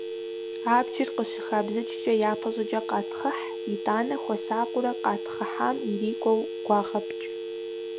Абджыр къыщыхабзыкӏкӏэ, япэ щӏыкӏэ къатхъыхь, итӏанэ хуэсакъыурэ къэтхъыхьам ирикӏуэу гуагъэпкӏ.